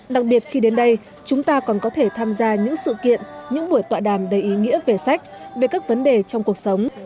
đặc biệt khi đến đây chúng ta còn có thể tham gia những sự kiện những buổi tọa đàm đầy ý nghĩa về sách về các vấn đề trong cuộc sống